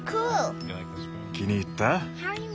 気に入った？